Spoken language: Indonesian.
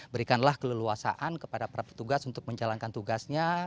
berikanlah keleluasaan kepada para petugas untuk menjalankan tugasnya